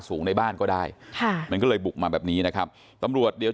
สูงในบ้านก็ได้ค่ะมันก็เลยบุกมาแบบนี้นะครับตำรวจเดี๋ยว